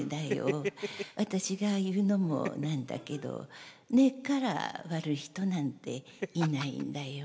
私が言うのもなんだけど根っから悪い人なんていないんだよ。